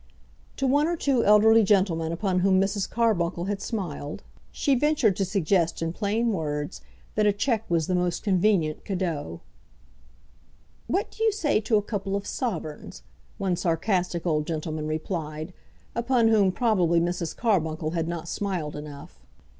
To one or two elderly gentlemen upon whom Mrs. Carbuncle had smiled, she ventured to suggest in plain words that a cheque was the most convenient cadeau. "What do you say to a couple of sovereigns?" one sarcastic old gentleman replied, upon whom probably Mrs. Carbuncle had not smiled enough.